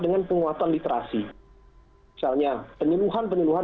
penyelamatan literasi misalnya penyeluhan penyeluhan